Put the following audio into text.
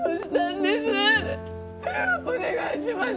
お願いします！